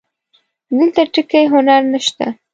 دلته ټکی هنر نه شته